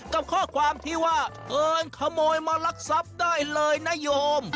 กับข้อความที่ว่าเอิญขโมยมาลักทรัพย์ได้เลยนโยม